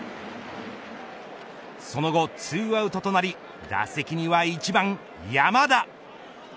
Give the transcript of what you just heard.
その後、２アウトとなり打席には１番、山田。